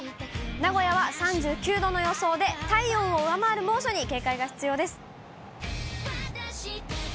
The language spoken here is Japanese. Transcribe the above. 名古屋は３９度の予想で、体温を上回る猛暑に警戒が必要です。